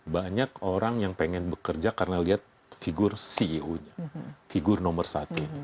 banyak orang yang pengen bekerja karena lihat figur ceo nya figur nomor satu